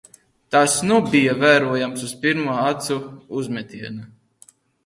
Tas nu bija vērojams uz pirmo acu uzmetiena.